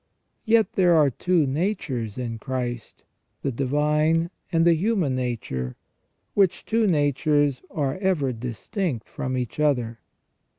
Yet there are two natures in Christ, the divine and the human nature, which two natures are ever distinct from each other.